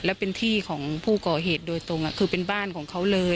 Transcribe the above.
แล้วเป็นที่ของผู้ก่อเหตุโดยตรงคือเป็นบ้านของเขาเลย